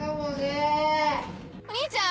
お兄ちゃん？